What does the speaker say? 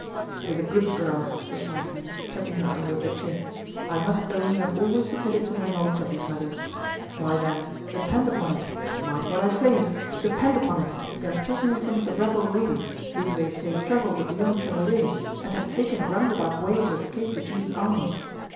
"It is a good girl," replied he, chucking her under the chin; "I must own you have always submitted to my knowledge of these matters. Why, then, depend upon it; mind what I say depend upon it, they are certainly some of the rebel ladies, who, they say, travel with the young Chevalier; and have taken a roundabout way to escape the duke's army."